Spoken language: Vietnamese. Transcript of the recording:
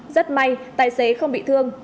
rất may tài xế không bị thương